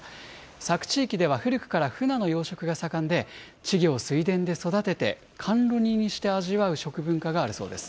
佐久地域では古くからフナの養殖が盛んで、稚魚を水田で育てて、甘露煮にして味わう食文化があるそうです。